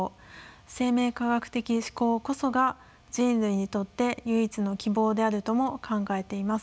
生命科学的思考こそが人類にとって唯一の希望であるとも考えています。